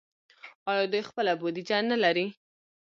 آیا دوی خپله بودیجه نلري؟